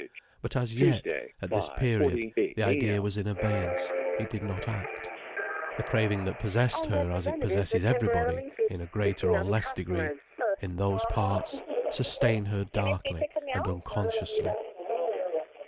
But as yet, at this period, the idea was in abeyance, it did not act. The craving that possessed her as it possesses everybody, in a greater or less degree, in those parts, sustained her darkly and unconsciously.